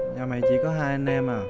nhà mày chỉ có hai anh em à